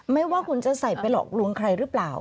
ไม่ว่าคุณจะใส่ไปหลอกลวงใครหรือเปล่า